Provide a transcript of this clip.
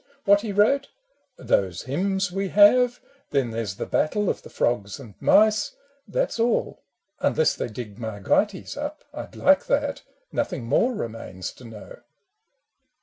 What he wrote ? Those Hymns we have. Then there 's the ' Battle of the Frogs and Mice,' That 's all — unless they dig ' Margites ' up (I 'd like that) nothing more remains to know."